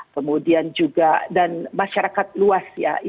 kemudian juga dan masyarakat luas ya